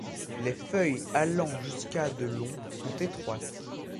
Les feuilles allant jusqu'à de long sont étroites.